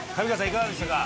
いかがでしたか？